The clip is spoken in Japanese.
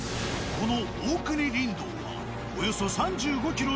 この。